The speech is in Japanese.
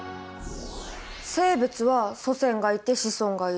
生物は祖先がいて子孫がいる。